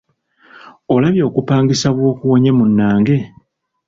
Olabye okupangisa bw’okuwonye munnange!